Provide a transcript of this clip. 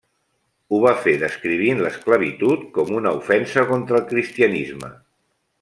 Ho va fer descrivint l'esclavitud com una ofensa contra el Cristianisme.